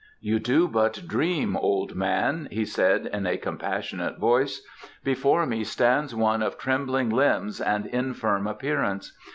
"You do but dream, old man," he said in a compassionate voice. "Before me stands one of trembling limbs and infirm appearance.